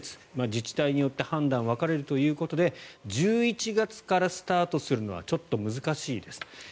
自治体によって判断が分かれるということで１１月からスタートするのはちょっと難しいです。